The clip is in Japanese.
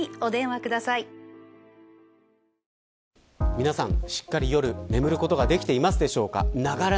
皆さん、しっかり夜眠ることができていますでしょうか。ながら